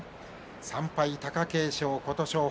３敗、貴景勝、琴勝峰。